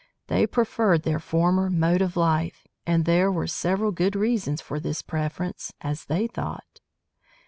They preferred their former mode of life, and there were several good reasons for this preference, as they thought.